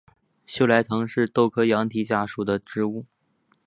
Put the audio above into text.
锈荚藤是豆科羊蹄甲属的植物。